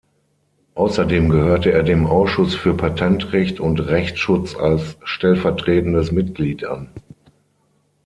Außerdem gehörte er dem Ausschuss für Patentrecht und Rechtsschutz als stellvertretendes Mitglied an.